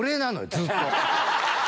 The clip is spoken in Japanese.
ずっと。